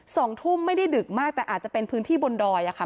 สองทุ่มไม่ได้ดึกมากแต่อาจจะเป็นพื้นที่บนดอยอะค่ะ